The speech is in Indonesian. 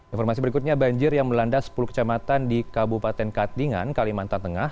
informasi berikutnya banjir yang melanda sepuluh kecamatan di kabupaten kadingan kalimantan tengah